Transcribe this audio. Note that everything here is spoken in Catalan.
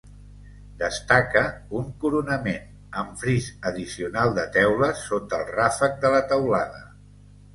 Destaca un coronament, amb fris addicional de teules sota el ràfec de la teulada.